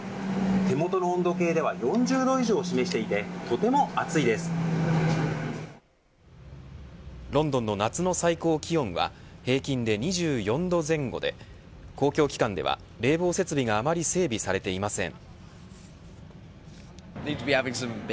手元の温度計では４０度以上を示していてロンドンの夏の最高気温は平均で２４度前後で公共機関では、冷房設備があまり整備されていません。